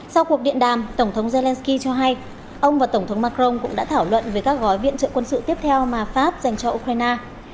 sau cuộc điện đàm tổng thống zelensky cho hay ông và tổng thống macron cũng đã thảo luận về các gói viện trợ quân sự tiếp theo mà pháp dành cho ukraine